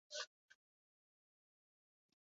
Biderik errazena, mendebaldeko aurpegia da.